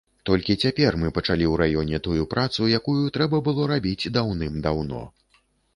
Толькі цяпер мы пачалі ў раёне тую працу, якую трэба было рабіць даўным-даўно.